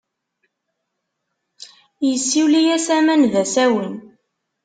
Issuli-as aman d asawen.